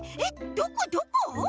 どこどこ？